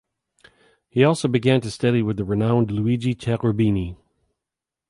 He also began to study with the renowned Luigi Cherubini.